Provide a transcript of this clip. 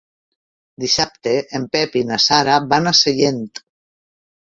Dissabte en Pep i na Sara van a Sellent.